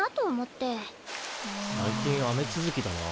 最近雨続きだな。